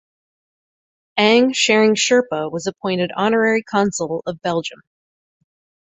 Ang Tshering Sherpa was appointed Honorary Consul of Belgium.